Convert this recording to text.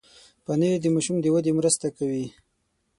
پنېر د ماشوم د ودې مرسته کوي.